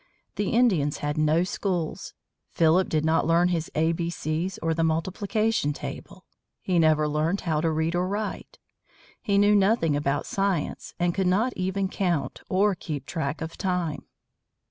The Indians had no schools. Philip did not learn his A B C's or the multiplication table. He never learned how to read or write. He knew nothing about science, and could not even count, or keep track of time.